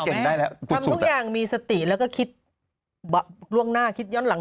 ทำทุกอย่างมีสติแล้วก็คิดล่วงหน้าคิดย้อนหลัง